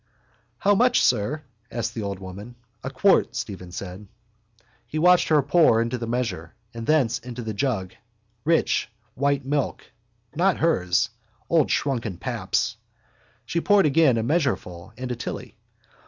—How much, sir? asked the old woman. —A quart, Stephen said. He watched her pour into the measure and thence into the jug rich white milk, not hers. Old shrunken paps. She poured again a measureful and a tilly.